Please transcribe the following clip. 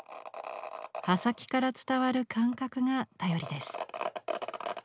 刃先から伝わる感覚が頼りです。